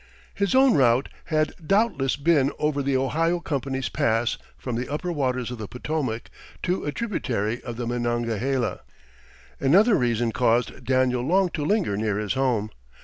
His own route had doubtless been over the Ohio Company's pass from the upper waters of the Potomac to a tributary of the Monongahela. Another reason caused Daniel long to linger near his home.